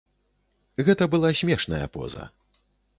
Гэта была смешная поза.